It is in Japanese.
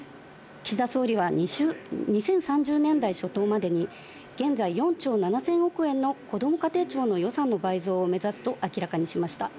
岸田総理は２０３０年代初頭までに、現在４兆７０００億円のこども家庭庁の予算の倍増を目指すと明らかにしました。